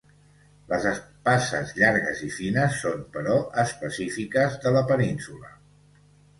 Les espases llargues i fines són, però, específiques de la península.